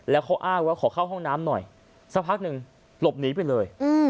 แล้วเขาอ้างว่าขอเข้าห้องน้ำหน่อยสักพักหนึ่งหลบหนีไปเลย